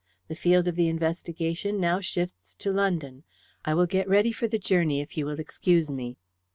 The field of the investigation now shifts to London. I will get ready for the journey, if you will excuse me."